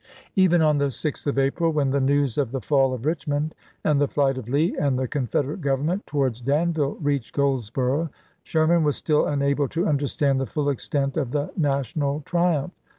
Even on the 6th of April, when the news of the lses. fall of Richmond and the flight of Lee and the Confederate Government towards Danville reached Goldsboro', Sherman was still unable to understand the full extent of the National triumph.